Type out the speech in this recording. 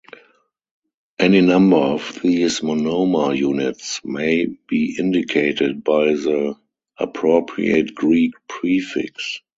Any number of these monomer units may be indicated by the appropriate Greek prefix.